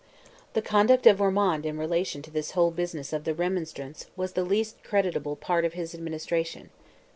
The conduct of Ormond in relation to this whole business of the Remonstrance, was the least creditable part of his administration.